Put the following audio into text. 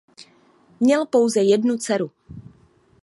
Měl pouze jednu dceru.